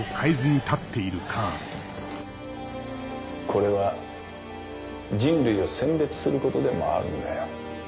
・これは人類を選別することでもあるんだよ。